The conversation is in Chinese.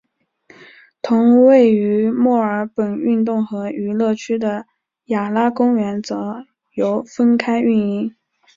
同位于墨尔本运动和娱乐区的雅拉公园则由分开营运。